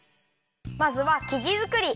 まずはきじづくり！